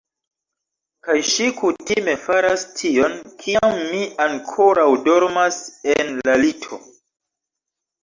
Kaj ŝi kutime faras tion, kiam mi ankoraŭ dormas en la lito.